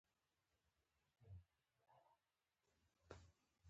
یعقوب بن لیث د بیسوادۍ ترڅنګ بې خبره و.